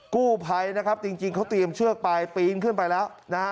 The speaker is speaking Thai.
กู้ภัยนะครับจริงเขาเตรียมเชือกไปปีนขึ้นไปแล้วนะฮะ